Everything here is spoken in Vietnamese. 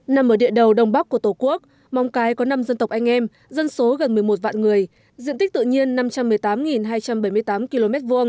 nằm ở địa đầu đông bắc của tổ quốc mong cái có năm dân tộc anh em dân số gần một mươi một vạn người diện tích tự nhiên năm trăm một mươi tám hai trăm bảy mươi tám km hai